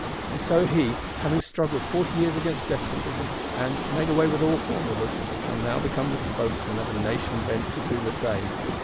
And so he, having struggled "forty years against despotism," and "made away with all formulas," shall now become the spokesman of a Nation bent to do the same.